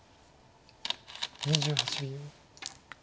２８秒。